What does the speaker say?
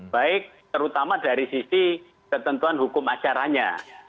baik terutama dari sisi ketentuan hukum acaranya